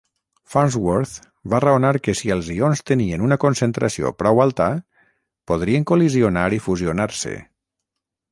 Farnsworth va raonar que si els ions tenien una concentració prou alta, podrien col·lisionar i fusionar-se.